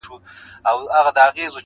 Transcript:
چي اوس د هر شېخ او ملا په حافظه کي نه يم_